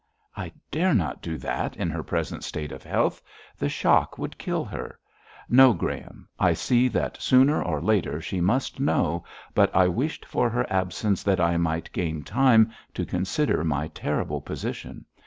'I dare not do that in her present state of health; the shock would kill her. No, Graham, I see that sooner or later she must know, but I wished for her absence that I might gain time to consider my terrible position.